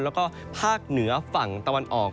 แล้วก็ภาคเหนือฝั่งตะวันออก